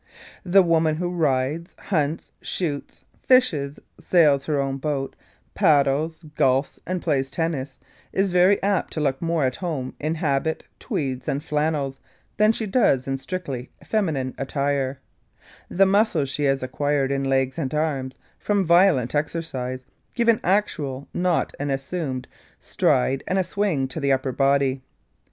The woman who rides, hunts, shoots, fishes, sails her own boat, paddles, golfs and plays tennis, is very apt to look more at home in habit, tweeds and flannels, than she does in strictly feminine attire; the muscles she has acquired in legs and arms, from violent exercise, give an actual, not an assumed, stride and a swing to the upper body.